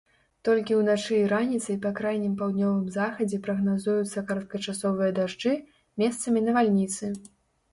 Толькі ўначы і раніцай па крайнім паўднёвым захадзе прагназуюцца кароткачасовыя дажджы, месцамі навальніцы.